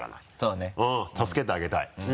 うん助けてあげたい。